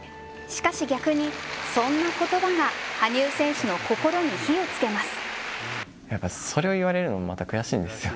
しかし逆に、そんな言葉が羽生選手の心に火を付けます。